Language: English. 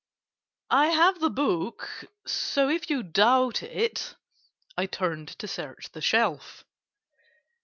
"I have the book; so if you doubt it—" I turned to search the shelf.